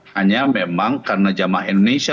hanya memang karena jamaah indonesia